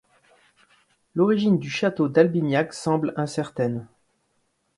L’origine du château d’Albignac semble incertaine.